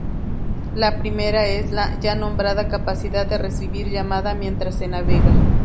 La primera es la, ya nombrada capacidad de recibir llamada mientras se navega.